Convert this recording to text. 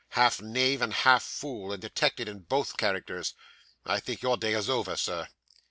Half knave and half fool, and detected in both characters? I think your day is over, sir.